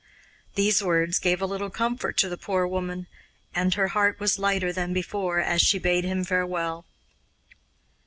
These words gave a little comfort to the poor woman, and her heart was lighter than before as she bade him farewell.